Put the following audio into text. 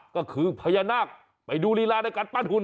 ก็คือพญานาคไปดูลีลาในการปั้นหุ่น